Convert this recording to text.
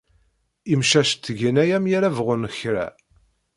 Imcac ttgen aya mi ara bɣun kra.